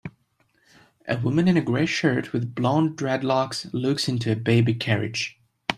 A woman in a gray shirt with blond dreadlocks looks into a baby carriage